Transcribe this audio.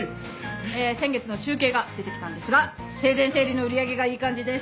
えー先月の集計が出てきたんですが生前整理の売り上げがいい感じです。